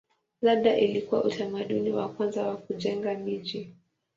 Labda ilikuwa utamaduni wa kwanza wa kujenga miji.